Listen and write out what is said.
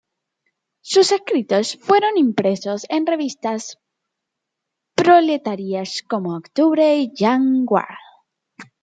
Sus escritos fueron impresos en revistas proletarias como "Octubre" y "Young Guard".